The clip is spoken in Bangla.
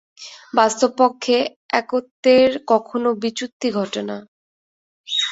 বাস্তবপক্ষে একত্বের কখনও বিচ্যুতি ঘটে না।